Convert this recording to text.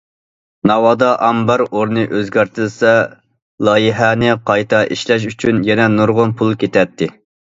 ناۋادا ئامبار ئورنى ئۆزگەرتىلسە، لايىھەنى قايتا ئىشلەش ئۈچۈن يەنە نۇرغۇن پۇل كېتەتتى.